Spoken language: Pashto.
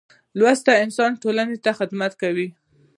لوستی انسان ټولنې ته خدمت کوي.